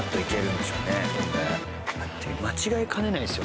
だって間違えかねないですよね。